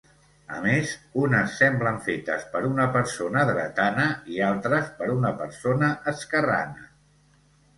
A més unes semblen fetes per una persona dretana i altres per una persona esquerrana.